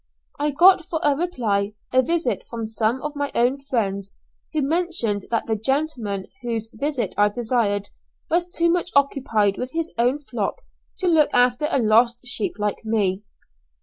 I got for a reply a visit from some of my own friends, who mentioned that the gentleman whose visit I desired was too much occupied with his own flock to look after a lost sheep like me.